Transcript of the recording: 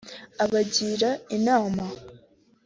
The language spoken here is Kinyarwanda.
abagira inama